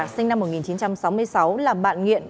sinh năm một nghìn chín trăm sáu mươi sáu là bạn nghiện